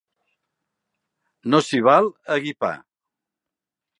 No s'hi val, a guipar!